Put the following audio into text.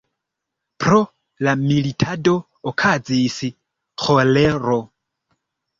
Pro la militado okazis ĥolero.